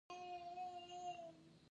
ایا زما ورور پاتې کیدی شي؟